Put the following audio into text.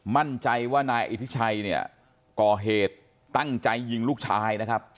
มั่นใจว่านายอิทธิชัยเนี่ยก่อเหตุตั้งใจยิงลูกชายนะครับ